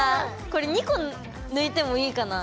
これ２個抜いてもいいかな。